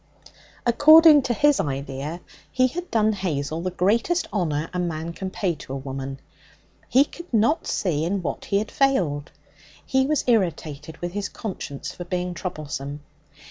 According to his idea, he had done Hazel the greatest honour a man can pay to a woman. He could not see in what he had failed. He was irritated with his conscience for being troublesome.